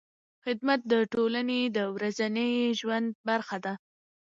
خدمت د ټولنې د ورځني ژوند برخه ده.